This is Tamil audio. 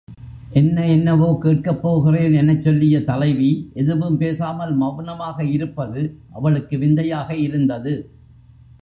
என்ன என்னவோ கேட்கப் போகிறேன் எனச் சொல்லிய தலைவி எதுவும் பேசாமல் மெளனமாக இருப்பது அவளுக்கு விந்தையாக இருந்தது.